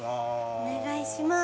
お願いします。